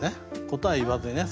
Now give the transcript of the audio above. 答え言わずにね。